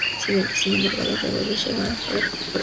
Sin embargo, los rebeldes lograron recuperar la escuela.